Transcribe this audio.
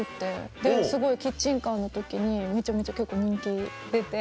ですごいキッチンカーの時にめちゃめちゃ結構人気出て。